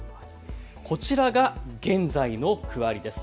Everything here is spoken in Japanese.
こちらが現在の区割りです。